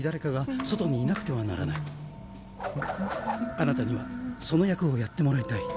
あなたにはその役をやってもらいたい。